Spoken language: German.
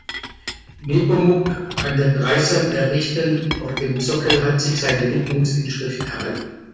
Nepomuk an der Dreisam errichten, auf dem Sockel hat sich seine Widmungsinschrift erhalten.